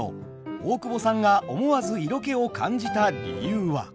大久保さんが思わず色気を感じた理由は。